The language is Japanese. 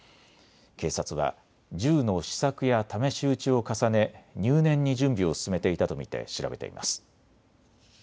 警察は銃の試作や試し撃ちを重ね入念に準備を進めていたと見て調べています。